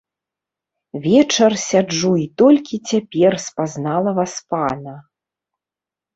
Вечар сяджу і толькі цяпер спазнала васпана.